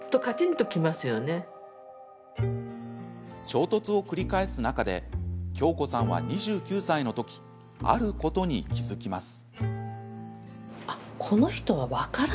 衝突を繰り返す中で恭子さんは、２９歳の時あることに気付きます。